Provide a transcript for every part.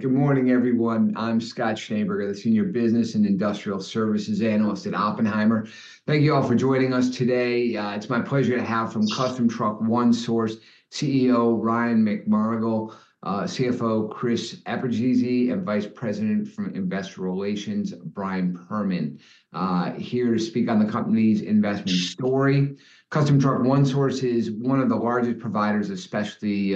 Good morning, everyone. I'm Scott Schneeberger, the Senior Business and Industrial Services Analyst at Oppenheimer. Thank you all for joining us today. It's my pleasure to have from Custom Truck One Source CEO Ryan McMonagle, CFO Chris Eperjesy, and Vice President of Investor Relations Brian Perman here to speak on the company's investment story. Custom Truck One Source is one of the largest providers, specialty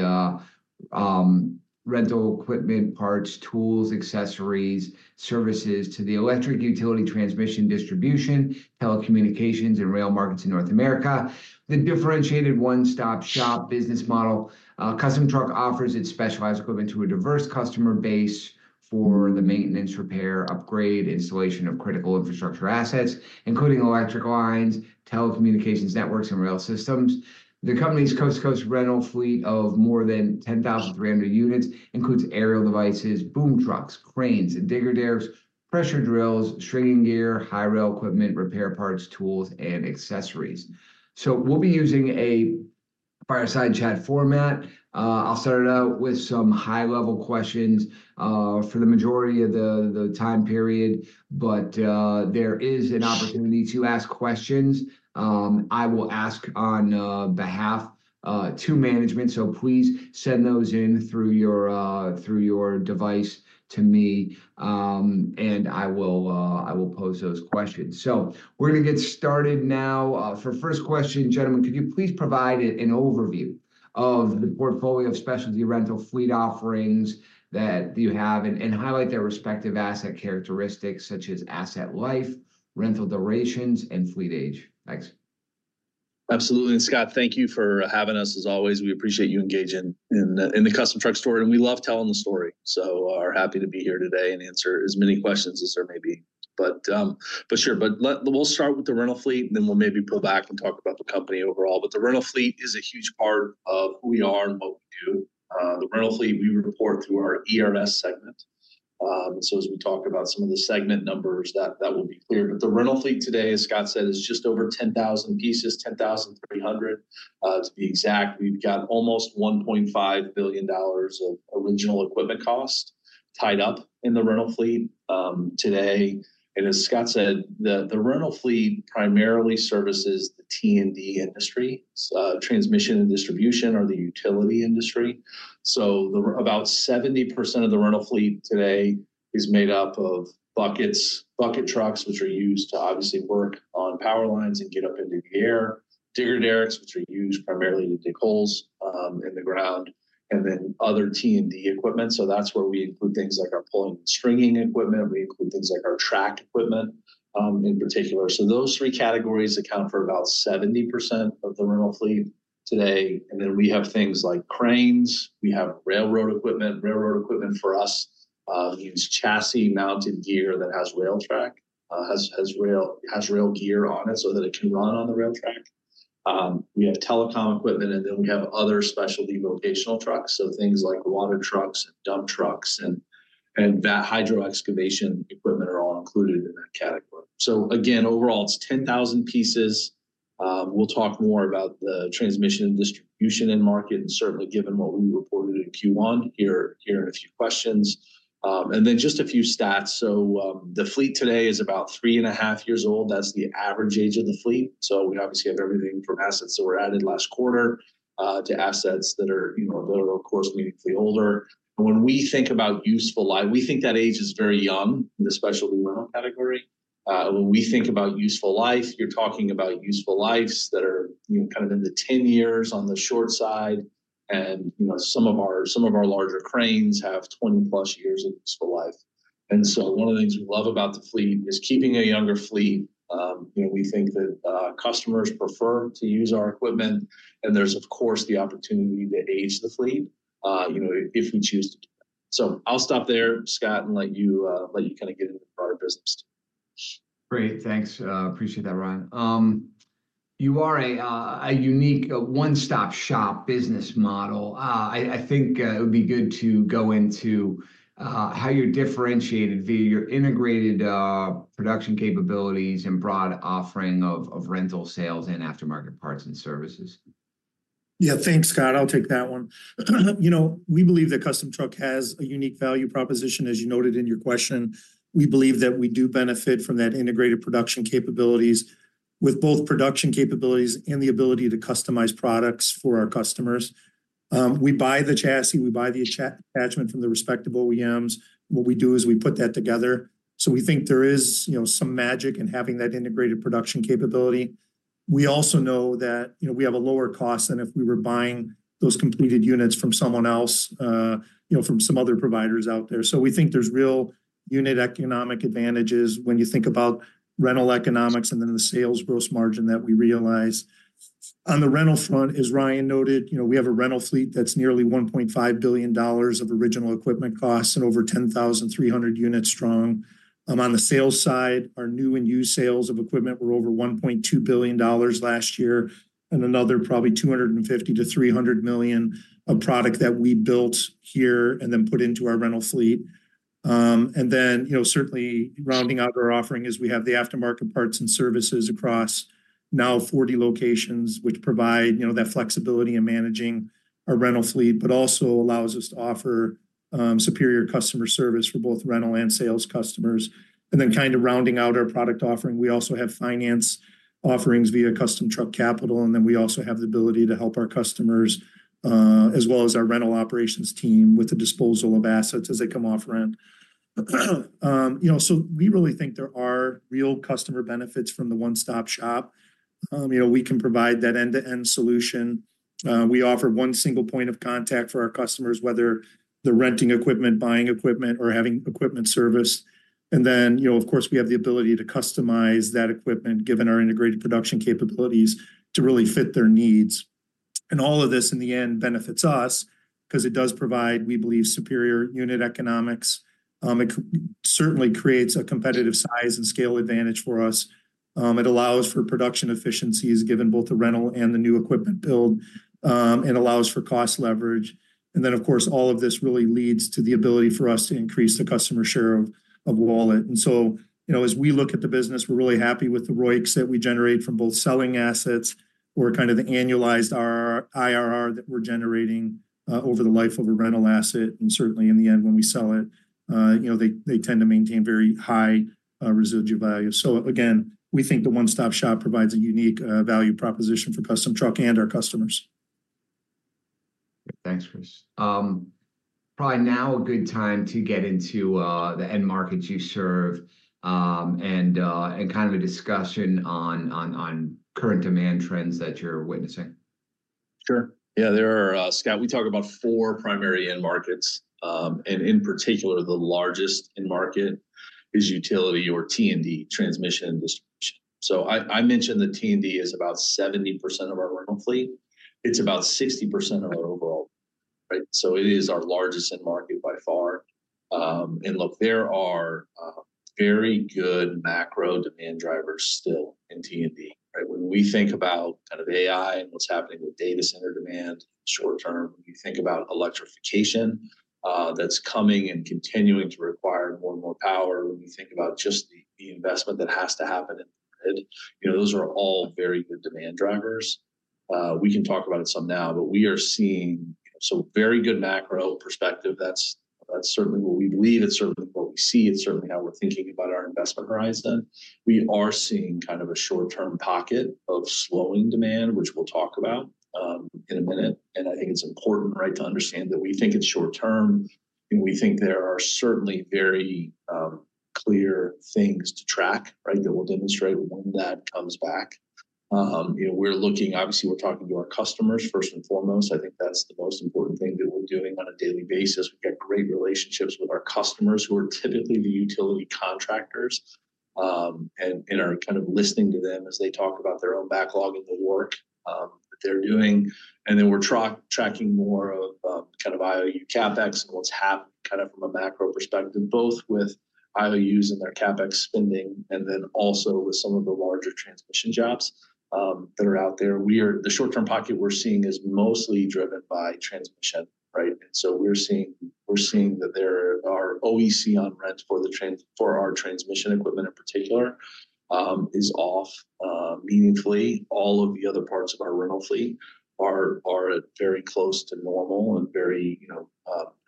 rental equipment, parts, tools, accessories, services to the electric utility transmission and distribution, telecommunications, and rail markets in North America. The differentiated one-stop shop business model, Custom Truck offers its specialized equipment to a diverse customer base for the maintenance, repair, upgrade, installation of critical infrastructure assets, including electric lines, telecommunications networks, and rail systems. The company's coast-to-coast rental fleet of more than 10,300 units includes aerial devices, boom trucks, cranes, and digger derricks, pressure diggers, stringing gear, hi-rail equipment, repair parts, tools, and accessories. We'll be using a fireside chat format. I'll start it out with some high-level questions for the majority of the time period, but there is an opportunity to ask questions. I will ask on behalf of team management, so please send those in through your device to me, and I will pose those questions. We're going to get started now. For first question, gentlemen, could you please provide an overview of the portfolio of specialty rental fleet offerings that you have and highlight their respective asset characteristics such as asset life, rental durations, and fleet age? Thanks. Absolutely, Scott. Thank you for having us as always. We appreciate you engaging in the Custom Truck story, and we love telling the story, so we're happy to be here today and answer as many questions as there may be. But sure, but we'll start with the rental fleet, and then we'll maybe pull back and talk about the company overall. But the rental fleet is a huge part of who we are and what we do. The rental fleet, we report through our ERS segment. So as we talk about some of the segment numbers, that will be clear. But the rental fleet today, as Scott said, is just over 10,000 pieces, 10,300 to be exact. We've got almost $1.5 billion of original equipment cost tied up in the rental fleet today. As Scott said, the rental fleet primarily services the T&D industry, Transmission and Distribution, or the utility industry. About 70% of the rental fleet today is made up of bucket trucks, which are used to obviously work on power lines and get up into the air, digger derricks, which are used primarily to dig holes in the ground, and then other T&D equipment. That's where we include things like our pulling and stringing equipment. We include things like our track equipment in particular. Those three categories account for about 70% of the rental fleet today. Then we have things like cranes. We have railroad equipment. Railroad equipment for us means chassis-mounted gear that has rail track, has rail gear on it so that it can run on the rail track. We have telecom equipment, and then we have other specialty vocational trucks. So things like water trucks and dump trucks and hydro excavation equipment are all included in that category. So again, overall, it's 10,000 pieces. We'll talk more about the Transmission and Distribution and market, and certainly given what we reported in Q1 here in a few questions. And then just a few stats. So the fleet today is about three and a half years old. That's the average age of the fleet. So we obviously have everything from assets that were added last quarter to assets that are of course meaningfully older. And when we think about useful life, we think that age is very young in the specialty rental category. When we think about useful life, you're talking about useful lives that are kind of in the 10 years on the short side. And some of our larger cranes have 20+ years of useful life. And so one of the things we love about the fleet is keeping a younger fleet. We think that customers prefer to use our equipment. And there's, of course, the opportunity to age the fleet if we choose to do that. So I'll stop there, Scott, and let you kind of get into the broader business. Great. Thanks. Appreciate that, Ryan. You are a unique one-stop shop business model. I think it would be good to go into how you're differentiated via your integrated production capabilities and broad offering of rental sales and aftermarket parts and services. Yeah, thanks, Scott. I'll take that one. We believe that Custom Truck has a unique value proposition, as you noted in your question. We believe that we do benefit from that integrated production capabilities with both production capabilities and the ability to customize products for our customers. We buy the chassis. We buy the attachment from the respective OEMs. What we do is we put that together. So we think there is some magic in having that integrated production capability. We also know that we have a lower cost than if we were buying those completed units from someone else, from some other providers out there. So we think there's real unit economic advantages when you think about rental economics and then the sales gross margin that we realize. On the rental front, as Ryan noted, we have a rental fleet that's nearly $1.5 billion of original equipment costs and over 10,300 units strong. On the sales side, our new and used sales of equipment were over $1.2 billion last year and another probably $250 million-$300 million of product that we built here and then put into our rental fleet. And then certainly rounding out our offering is we have the aftermarket parts and services across now 40 locations, which provide that flexibility in managing our rental fleet, but also allows us to offer superior customer service for both rental and sales customers. Then kind of rounding out our product offering, we also have finance offerings via Custom Truck Capital, and then we also have the ability to help our customers as well as our rental operations team with the disposal of assets as they come off rent. So we really think there are real customer benefits from the one-stop shop. We can provide that end-to-end solution. We offer one single point of contact for our customers, whether they're renting equipment, buying equipment, or having equipment service. And then, of course, we have the ability to customize that equipment, given our integrated production capabilities, to really fit their needs. And all of this, in the end, benefits us because it does provide, we believe, superior unit economics. It certainly creates a competitive size and scale advantage for us. It allows for production efficiencies, given both the rental and the new equipment build, and allows for cost leverage. And then, of course, all of this really leads to the ability for us to increase the customer share of wallet. And so as we look at the business, we're really happy with the ROICs that we generate from both selling assets or kind of the annualized IRR that we're generating over the life of a rental asset. And certainly, in the end, when we sell it, they tend to maintain very high residual value. So again, we think the one-stop shop provides a unique value proposition for Custom Truck and our customers. Thanks, Chris. Probably now a good time to get into the end markets you serve and kind of a discussion on current demand trends that you're witnessing. Sure. Yeah, there are, Scott, we talk about four primary end markets. And in particular, the largest end market is utility or T&D, Transmission and Distribution. So I mentioned the T&D is about 70% of our rental fleet. It's about 60% of our overall, right? So it is our largest end market by far. And look, there are very good macro demand drivers still in T&D, right? When we think about kind of AI and what's happening with data center demand short term, when you think about electrification that's coming and continuing to require more and more power, when you think about just the investment that has to happen in the grid, those are all very good demand drivers. We can talk about some now, but we are seeing so very good macro perspective. That's certainly what we believe. It's certainly what we see. It's certainly how we're thinking about our investment horizon then. We are seeing kind of a short-term pocket of slowing demand, which we'll talk about in a minute. I think it's important, right, to understand that we think it's short term. We think there are certainly very clear things to track, right, that will demonstrate when that comes back. We're looking, obviously, we're talking to our customers first and foremost. I think that's the most important thing that we're doing on a daily basis. We've got great relationships with our customers who are typically the utility contractors. We're kind of listening to them as they talk about their own backlog and the work that they're doing. Then we're tracking more of kind of IOU CapEx and what's happening kind of from a macro perspective, both with IOUs and their CapEx spending, and then also with some of the larger transmission jobs that are out there. The short-term pocket we're seeing is mostly driven by transmission, right? So we're seeing that our OEC on rent for our transmission equipment in particular is off meaningfully. All of the other parts of our rental fleet are very close to normal and very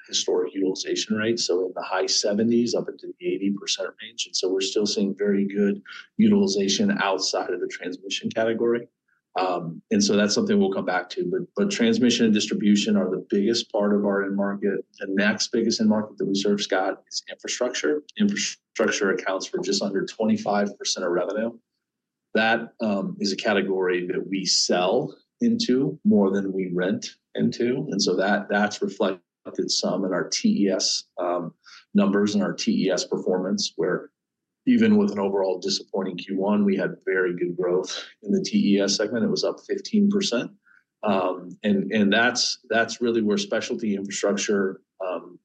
historic utilization rates, so in the high 70s up into the 80% range. So we're still seeing very good utilization outside of the transmission category. So that's something we'll come back to. Transmission and Distribution are the biggest part of our end market. The next biggest end market that we serve, Scott, is infrastructure. Infrastructure accounts for just under 25% of revenue. That is a category that we sell into more than we rent into. So that's reflected some in our TES numbers and our TES performance, where even with an overall disappointing Q1, we had very good growth in the TES segment. It was up 15%. That's really where specialty infrastructure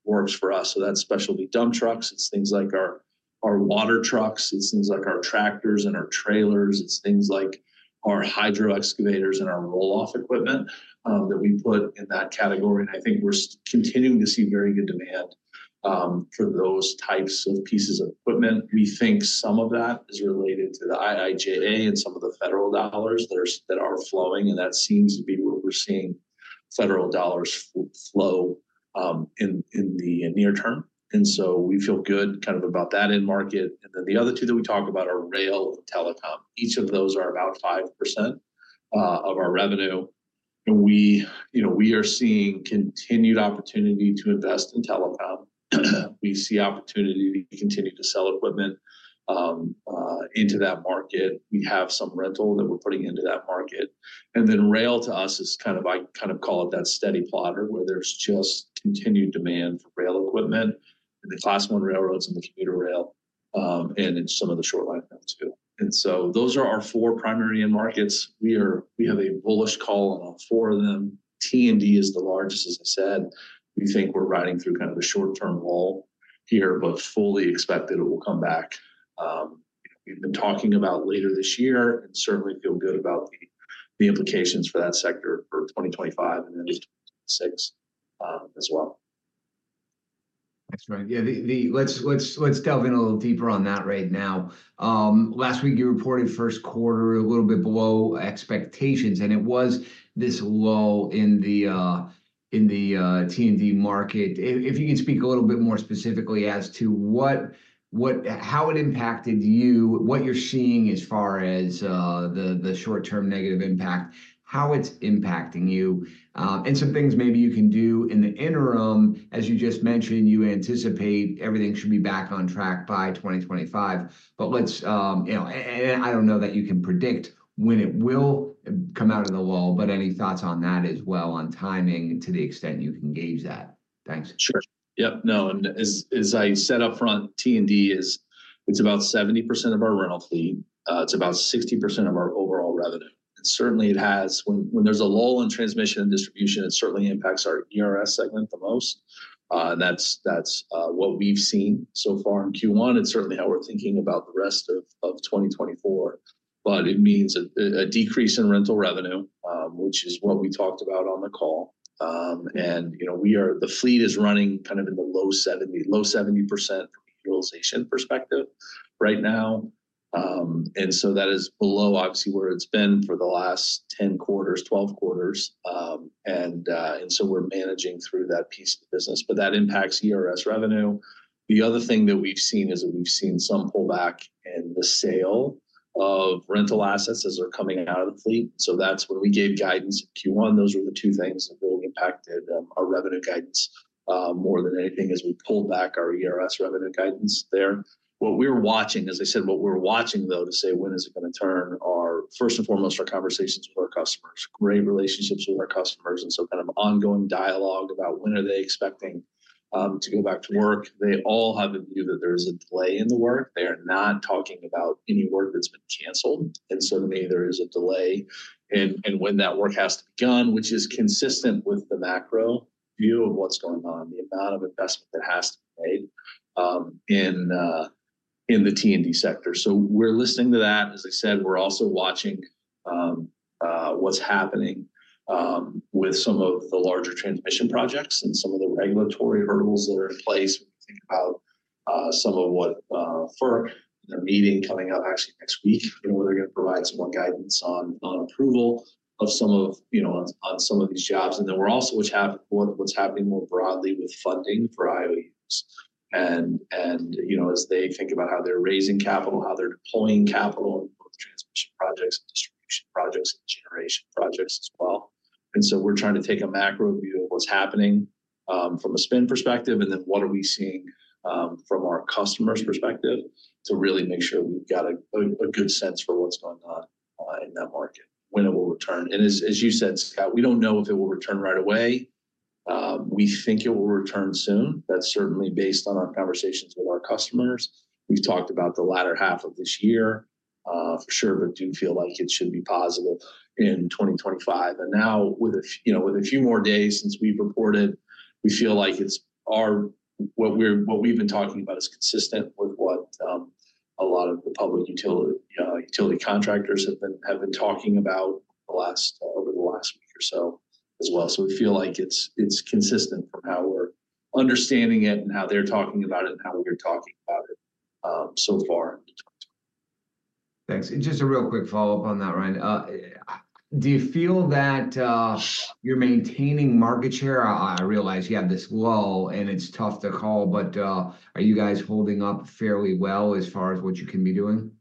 works for us. That's specialty dump trucks. It's things like our water trucks. It's things like our tractors and our trailers. It's things like our hydro excavators and our roll-off equipment that we put in that category. I think we're continuing to see very good demand for those types of pieces of equipment. We think some of that is related to the IIJA and some of the federal dollars that are flowing. That seems to be where we're seeing federal dollars flow in the near term. So we feel good kind of about that end market. And then the other two that we talk about are rail and telecom. Each of those are about 5% of our revenue. And we are seeing continued opportunity to invest in telecom. We see opportunity to continue to sell equipment into that market. We have some rental that we're putting into that market. And then rail to us is kind of I kind of call it that steady plotter where there's just continued demand for rail equipment in the Class I railroads and the commuter rail and in some of the short line rail too. And so those are our four primary end markets. We have a bullish call on all four of them. T&D is the largest, as I said. We think we're riding through kind of a short-term wall here, but fully expect that it will come back. We've been talking about later this year and certainly feel good about the implications for that sector for 2025 and then 2026 as well. Thanks, Ryan. Yeah, let's delve in a little deeper on that right now. Last week, you reported first quarter a little bit below expectations, and it was this low in the T&D market. If you can speak a little bit more specifically as to how it impacted you, what you're seeing as far as the short-term negative impact, how it's impacting you, and some things maybe you can do in the interim. As you just mentioned, you anticipate everything should be back on track by 2025. But let's and I don't know that you can predict when it will come out of the wall, but any thoughts on that as well on timing to the extent you can gauge that? Thanks. Sure. Yep. No. And as I said upfront, T&D is about 70% of our rental fleet. It's about 60% of our overall revenue. And certainly, when there's a lull in Transmission and Distribution, it certainly impacts our ERS segment the most. And that's what we've seen so far in Q1. It's certainly how we're thinking about the rest of 2024. But it means a decrease in rental revenue, which is what we talked about on the call. And the fleet is running kind of in the low 70% from a utilization perspective right now. And so that is below, obviously, where it's been for the last 10 quarters, 12 quarters. And so we're managing through that piece of business. But that impacts ERS revenue. The other thing that we've seen is that we've seen some pullback in the sale of rental assets as they're coming out of the fleet. So when we gave guidance in Q1, those were the two things that really impacted our revenue guidance more than anything as we pulled back our ERS revenue guidance there. What we're watching, as I said, what we're watching, though, to say when is it going to turn are first and foremost our conversations with our customers, great relationships with our customers, and so kind of ongoing dialogue about when are they expecting to go back to work. They all have a view that there is a delay in the work. They are not talking about any work that's been canceled. And so to me, there is a delay in when that work has to be done, which is consistent with the macro view of what's going on, the amount of investment that has to be made in the T&D sector. So we're listening to that. As I said, we're also watching what's happening with some of the larger transmission projects and some of the regulatory hurdles that are in place when you think about some of what FERC and their meeting coming up actually next week, where they're going to provide some more guidance on approval of some of these jobs. And then we're also watching what's happening more broadly with funding for IOUs. And as they think about how they're raising capital, how they're deploying capital in both transmission projects and distribution projects and generation projects as well. And so we're trying to take a macro view of what's happening from a spend perspective, and then what are we seeing from our customers' perspective to really make sure we've got a good sense for what's going on in that market, when it will return. As you said, Scott, we don't know if it will return right away. We think it will return soon. That's certainly based on our conversations with our customers. We've talked about the latter half of this year for sure, but do feel like it should be possible in 2025. Now with a few more days since we've reported, we feel like what we've been talking about is consistent with what a lot of the public utility contractors have been talking about over the last week or so as well. We feel like it's consistent from how we're understanding it and how they're talking about it and how we are talking about it so far in 2025. Thanks. Just a real quick follow-up on that, Ryan. Do you feel that you're maintaining market share? I realize you have this low, and it's tough to call, but are you guys holding up fairly well as far as what you can be doing?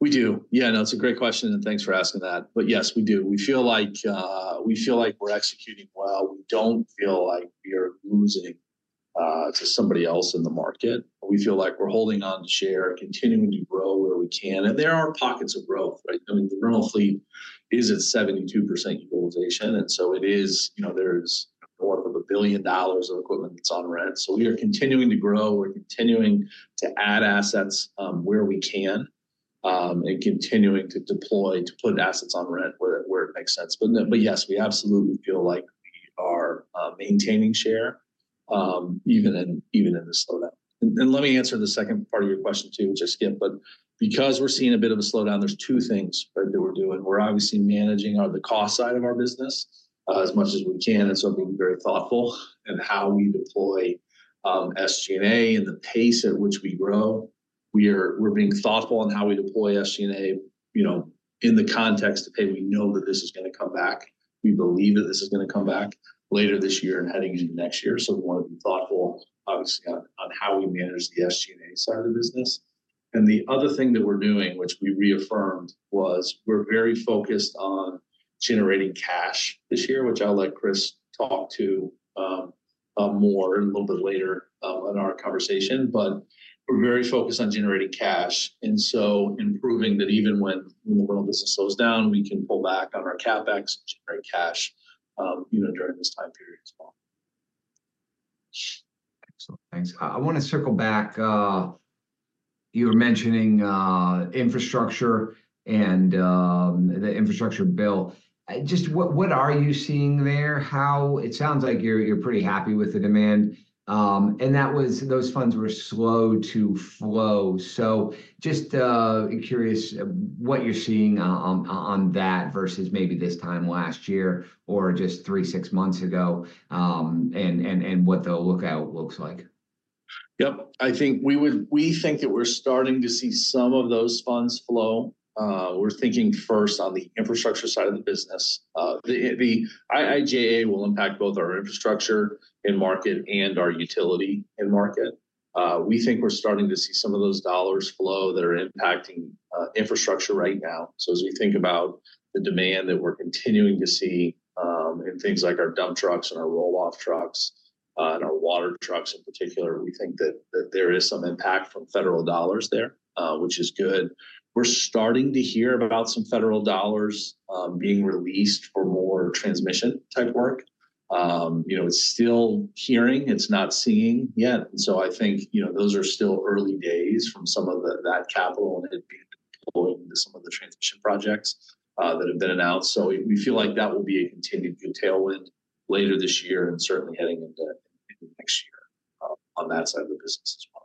We do. Yeah, no, it's a great question, and thanks for asking that. But yes, we do. We feel like we're executing well. We don't feel like we are losing to somebody else in the market. We feel like we're holding on to share, continuing to grow where we can. And there are pockets of growth, right? I mean, the rental fleet is at 72% utilization. And so there's north of $1 billion of equipment that's on rent. So we are continuing to grow. We're continuing to add assets where we can and continuing to deploy to put assets on rent where it makes sense. But yes, we absolutely feel like we are maintaining share even in the slowdown. And let me answer the second part of your question too, which I skipped. But because we're seeing a bit of a slowdown, there's two things that we're doing. We're obviously managing the cost side of our business as much as we can. And so being very thoughtful in how we deploy SG&A and the pace at which we grow, we're being thoughtful in how we deploy SG&A in the context of, "Hey, we know that this is going to come back. We believe that this is going to come back later this year and heading into next year." So we want to be thoughtful, obviously, on how we manage the SG&A side of the business. And the other thing that we're doing, which we reaffirmed, was we're very focused on generating cash this year, which I'll let Chris talk to more a little bit later in our conversation. But we're very focused on generating cash and so improving that even when the rental business slows down, we can pull back on our CapEx and generate cash during this time period as well. Excellent. Thanks. I want to circle back. You were mentioning infrastructure and the infrastructure bill. Just what are you seeing there? It sounds like you're pretty happy with the demand. And those funds were slow to flow. So just curious what you're seeing on that versus maybe this time last year or just three, six months ago and what the outlook looks like. Yep. I think we think that we're starting to see some of those funds flow. We're thinking first on the infrastructure side of the business. The IIJA will impact both our infrastructure end market and our utility end market. We think we're starting to see some of those dollars flow that are impacting infrastructure right now. So as we think about the demand that we're continuing to see in things like our dump trucks and our roll-off trucks and our water trucks in particular, we think that there is some impact from federal dollars there, which is good. We're starting to hear about some federal dollars being released for more transmission-type work. It's still hearing. It's not seeing yet. And so I think those are still early days from some of that capital and it being deployed into some of the transmission projects that have been announced. We feel like that will be a continued good tailwind later this year and certainly heading into next year on that side of the business as well.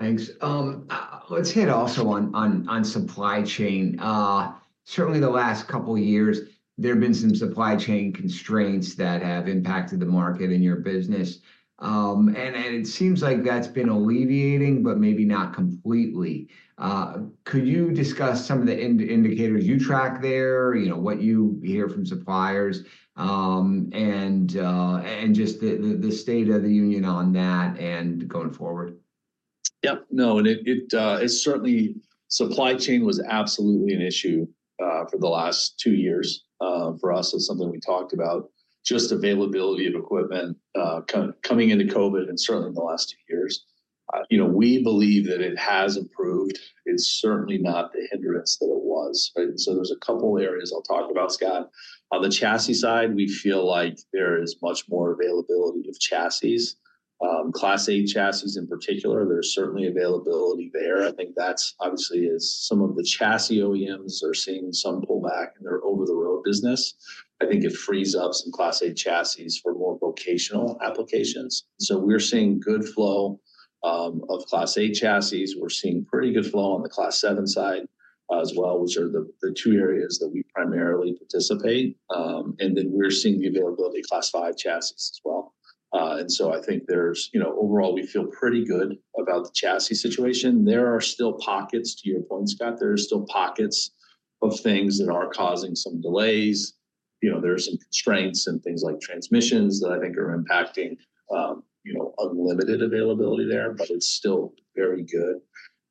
Thanks. Let's hit also on supply chain. Certainly, the last couple of years, there have been some supply chain constraints that have impacted the market in your business. It seems like that's been alleviating, but maybe not completely. Could you discuss some of the indicators you track there, what you hear from suppliers, and just the state of the union on that and going forward? Yep. No. Certainly, supply chain was absolutely an issue for the last two years for us. It's something we talked about, just availability of equipment coming into COVID and certainly in the last two years. We believe that it has improved. It's certainly not the hindrance that it was, right? So there's a couple of areas I'll talk about, Scott. On the chassis side, we feel like there is much more availability of chassis, Class 8 chassis in particular. There's certainly availability there. I think that obviously, some of the chassis OEMs are seeing some pullback, and they're over-the-road business. I think it frees up some Class 8 chassis for more vocational applications. So we're seeing good flow of Class 8 chassis. We're seeing pretty good flow on the Class 7 side as well, which are the two areas that we primarily participate. And then we're seeing the availability of Class 5 chassis as well. And so I think overall, we feel pretty good about the chassis situation. There are still pockets, to your point, Scott. There are still pockets of things that are causing some delays. There are some constraints and things like transmissions that I think are impacting unlimited availability there, but it's still very good.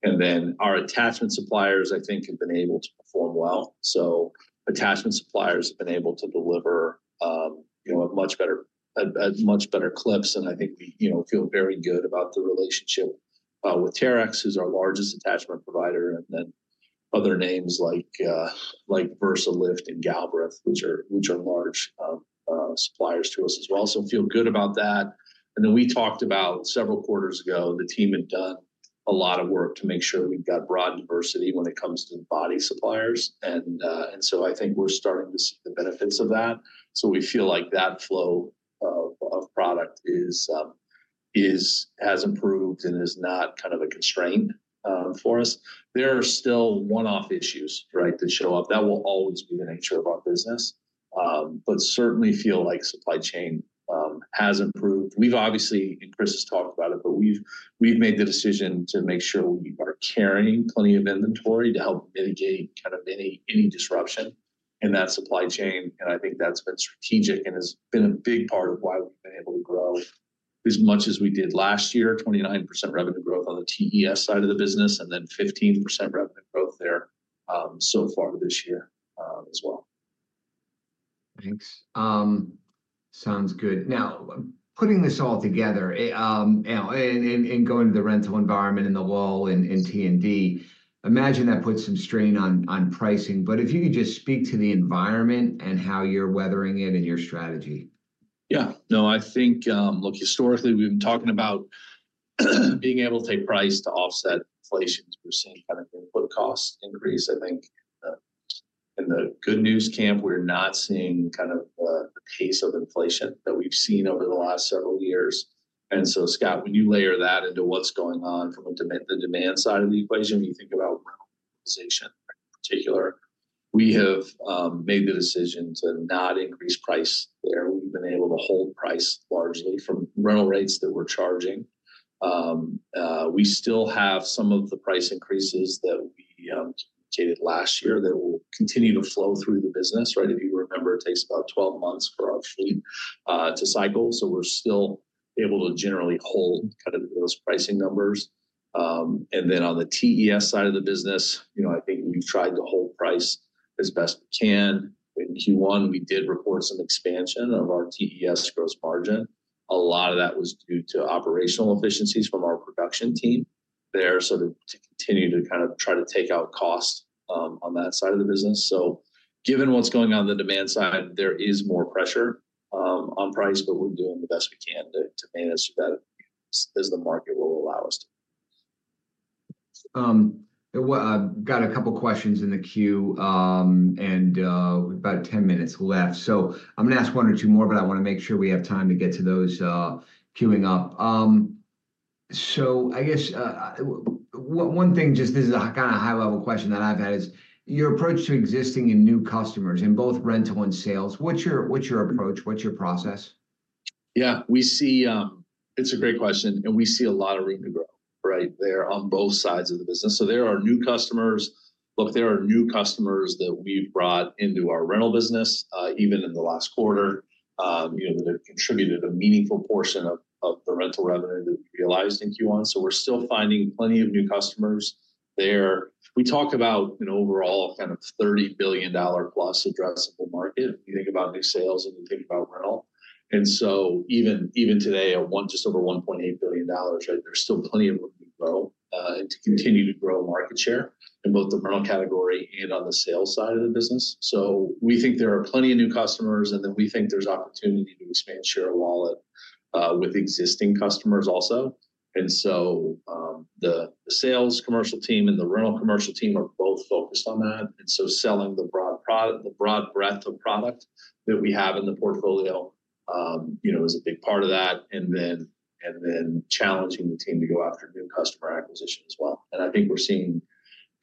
And then our attachment suppliers, I think, have been able to perform well. So attachment suppliers have been able to deliver much better clips. And I think we feel very good about the relationship with Terex, who's our largest attachment provider, and then other names like Versalift and Galbreath, which are large suppliers to us as well. So we feel good about that. And then we talked about several quarters ago, the team had done a lot of work to make sure we've got broad diversity when it comes to the body suppliers. And so I think we're starting to see the benefits of that. So we feel like that flow of product has improved and is not kind of a constraint for us. There are still one-off issues, right, that show up. That will always be the nature of our business, but certainly feel like supply chain has improved. And Chris has talked about it, but we've made the decision to make sure we are carrying plenty of inventory to help mitigate kind of any disruption in that supply chain. I think that's been strategic and has been a big part of why we've been able to grow as much as we did last year, 29% revenue growth on the TES side of the business and then 15% revenue growth there so far this year as well. Thanks. Sounds good. Now, putting this all together and going to the rental environment and the wall in T&D, imagine that puts some strain on pricing. But if you could just speak to the environment and how you're weathering it and your strategy. Yeah. No, I think, look, historically, we've been talking about being able to take price to offset inflation. We're seeing kind of input costs increase, I think. In the good news camp, we're not seeing kind of the pace of inflation that we've seen over the last several years. And so, Scott, when you layer that into what's going on from the demand side of the equation, when you think about rental utilization in particular, we have made the decision to not increase price there. We've been able to hold price largely from rental rates that we're charging. We still have some of the price increases that we communicated last year that will continue to flow through the business, right? If you remember, it takes about 12 months for our fleet to cycle. So we're still able to generally hold kind of those pricing numbers. Then on the TES side of the business, I think we've tried to hold price as best we can. In Q1, we did report some expansion of our TES gross margin. A lot of that was due to operational efficiencies from our production team there sort of to continue to kind of try to take out costs on that side of the business. Given what's going on the demand side, there is more pressure on price, but we're doing the best we can to manage that as the market will allow us to. I've got a couple of questions in the queue, and we've got 10 minutes left. So I'm going to ask one or two more, but I want to make sure we have time to get to those queuing up. So I guess one thing, just this is a kind of high-level question that I've had, is your approach to existing and new customers in both rental and sales, what's your approach? What's your process? Yeah. It's a great question. And we see a lot of room to grow, right, there on both sides of the business. So there are new customers. Look, there are new customers that we've brought into our rental business even in the last quarter that have contributed a meaningful portion of the rental revenue that we realized in Q1. So we're still finding plenty of new customers there. We talk about overall kind of $30 billion-plus addressable market when you think about new sales and you think about rental. And so even today, just over $1.8 billion, right, there's still plenty of room to grow and to continue to grow market share in both the rental category and on the sales side of the business. So we think there are plenty of new customers, and then we think there's opportunity to expand share of wallet with existing customers also. The sales commercial team and the rental commercial team are both focused on that. Selling the broad breadth of product that we have in the portfolio is a big part of that and then challenging the team to go after new customer acquisition as well. I think we're seeing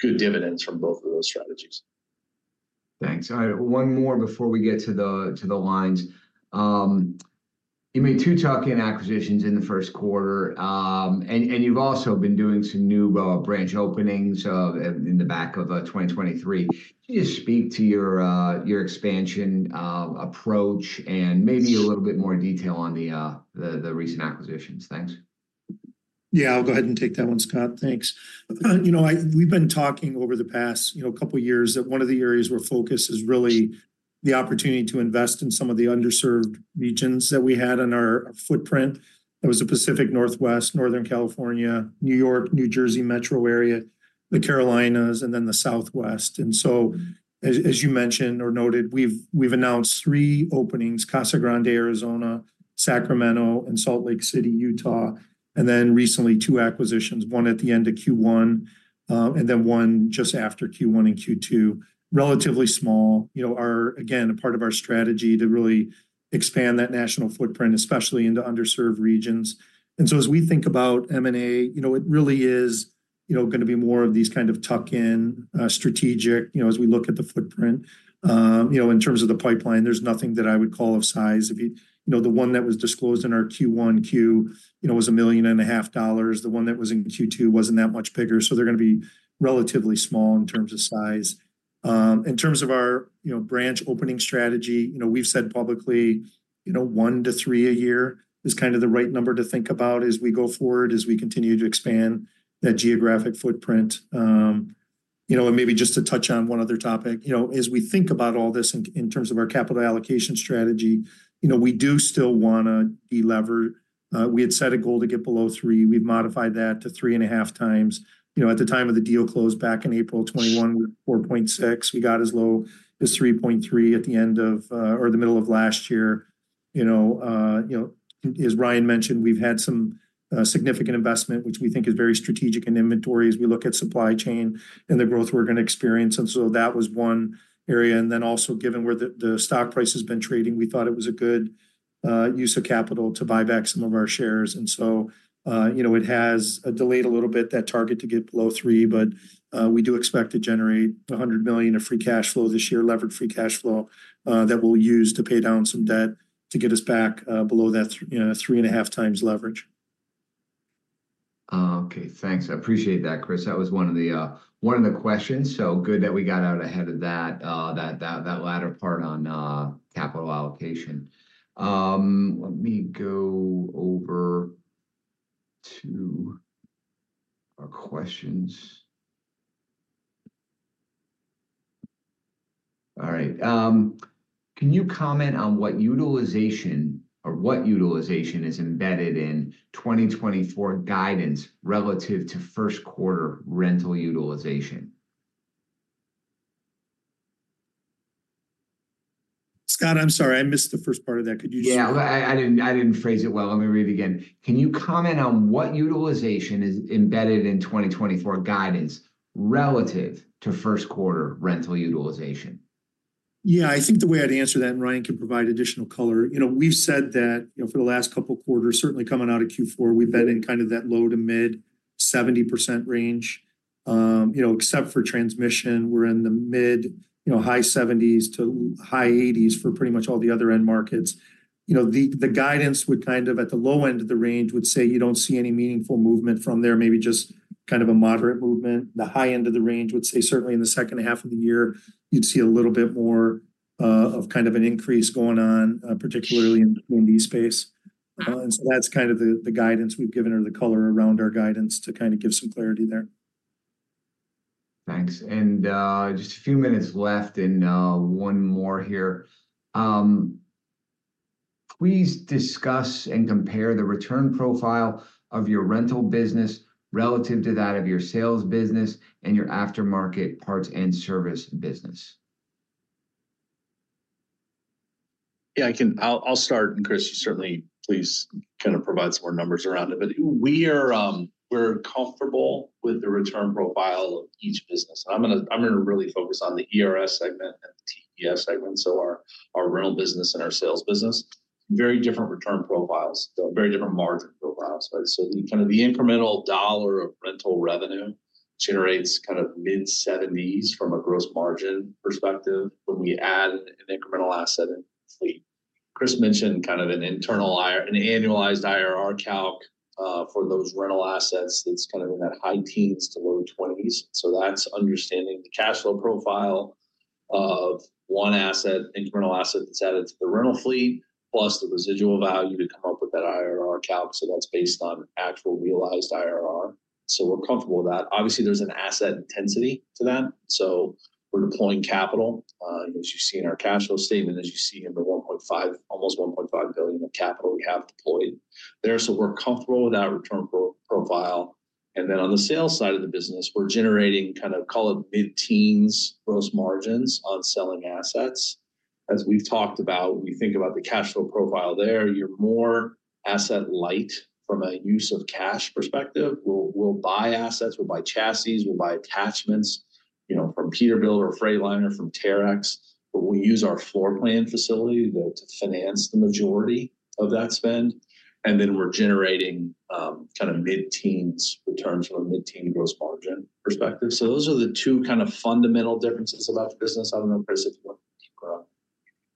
good dividends from both of those strategies. Thanks. One more before we get to the lines. You made two tuck-in acquisitions in the first quarter, and you've also been doing some new branch openings in the back of 2023. Can you just speak to your expansion approach and maybe a little bit more detail on the recent acquisitions? Thanks. Yeah, I'll go ahead and take that one, Scott. Thanks. We've been talking over the past couple of years that one of the areas where focus is really the opportunity to invest in some of the underserved regions that we had on our footprint. That was the Pacific Northwest, Northern California, New York, New Jersey metro area, the Carolinas, and then the Southwest. And so as you mentioned or noted, we've announced three openings: Casa Grande, Arizona; Sacramento; and Salt Lake City, Utah; and then recently, two acquisitions, one at the end of Q1 and then one just after Q1 and Q2, relatively small, again, a part of our strategy to really expand that national footprint, especially into underserved regions. And so as we think about M&A, it really is going to be more of these kind of tuck-in strategic as we look at the footprint. In terms of the pipeline, there's nothing that I would call of size. The one that was disclosed in our Q1 was $1.5 million. The one that was in Q2 wasn't that much bigger. So they're going to be relatively small in terms of size. In terms of our branch opening strategy, we've said publicly 1-3 a year is kind of the right number to think about as we go forward, as we continue to expand that geographic footprint. And maybe just to touch on one other topic, as we think about all this in terms of our capital allocation strategy, we do still want to delever. We had set a goal to get below 3. We've modified that to 3.5 times. At the time of the deal close back in April 2021, we were 4.6. We got as low as 3.3 at the end of or the middle of last year. As Ryan mentioned, we've had some significant investment, which we think is very strategic in inventory as we look at supply chain and the growth we're going to experience. And so that was one area. And then also, given where the stock price has been trading, we thought it was a good use of capital to buy back some of our shares. And so it has delayed a little bit, that target to get below 3, but we do expect to generate $100 million of free cash flow this year, leveraged free cash flow that we'll use to pay down some debt to get us back below that 3.5x leverage. Okay. Thanks. I appreciate that, Chris. That was one of the questions. So good that we got out ahead of that latter part on capital allocation. Let me go over to our questions. All right. Can you comment on what utilization is embedded in 2024 guidance relative to first-quarter rental utilization? Scott, I'm sorry. I missed the first part of that. Could you just? Yeah. I didn't phrase it well. Let me read it again. Can you comment on what utilization is embedded in 2024 guidance relative to first-quarter rental utilization? Yeah. I think the way I'd answer that, and Ryan can provide additional color, we've said that for the last couple of quarters, certainly coming out of Q4, we've been in kind of that low- to mid-70% range. Except for transmission, we're in the mid-high 70s to high 80s for pretty much all the other end markets. The guidance would kind of at the low end of the range would say you don't see any meaningful movement from there, maybe just kind of a moderate movement. The high end of the range would say certainly in the second half of the year, you'd see a little bit more of kind of an increase going on, particularly in the T&D space. And so that's kind of the guidance we've given or the color around our guidance to kind of give some clarity there. Thanks. Just a few minutes left, and one more here. Please discuss and compare the return profile of your rental business relative to that of your sales business and your aftermarket parts and service business. Yeah. I'll start, and Chris, you certainly please kind of provide some more numbers around it. But we're comfortable with the return profile of each business. And I'm going to really focus on the ERS segment and the TES segment, so our rental business and our sales business, very different return profiles, very different margin profiles, right? So kind of the incremental dollar of rental revenue generates kind of mid-70s% from a gross margin perspective when we add an incremental asset in fleet. Chris mentioned kind of an annualized IRR calc for those rental assets that's kind of in that high teens to low 20s. So that's understanding the cash flow profile of one asset, incremental asset that's added to the rental fleet, plus the residual value to come up with that IRR calc. So that's based on actual realized IRR. So we're comfortable with that. Obviously, there's an asset intensity to that. So we're deploying capital. As you see in our cash flow statement, as you see in the almost $1.5 billion of capital we have deployed there. So we're comfortable with that return profile. And then on the sales side of the business, we're generating kind of, call it, mid-teens gross margins on selling assets. As we've talked about, when you think about the cash flow profile there, you're more asset-light from a use of cash perspective. We'll buy assets. We'll buy chassis. We'll buy attachments from Peterbilt or Freightliner from Terex. But we'll use our floor plan facility to finance the majority of that spend. And then we're generating kind of mid-teens returns from a mid-teens gross margin perspective. So those are the two kind of fundamental differences about the business. I don't know, Chris, if you want to go deeper on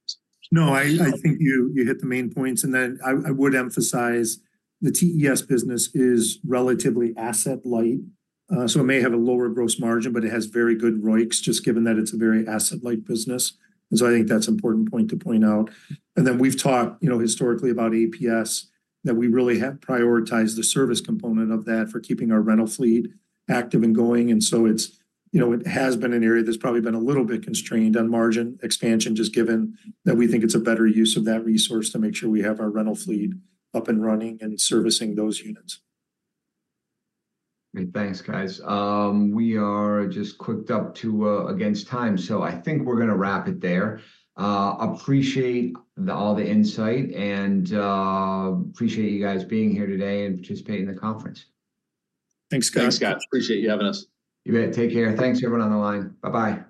that. No, I think you hit the main points. And then I would emphasize the TES business is relatively asset-light. So it may have a lower gross margin, but it has very good ROICs just given that it's a very asset-light business. And so I think that's an important point to point out. And then we've talked historically about APS, that we really have prioritized the service component of that for keeping our rental fleet active and going. And so it has been an area that's probably been a little bit constrained on margin expansion just given that we think it's a better use of that resource to make sure we have our rental fleet up and running and servicing those units. Great. Thanks, guys. We're just up against time. I think we're going to wrap it there. Appreciate all the insight and appreciate you guys being here today and participating in the conference. Thanks, Scott. Thanks, Scott. Appreciate you having us. You bet. Take care. Thanks, everyone on the line. Bye-bye.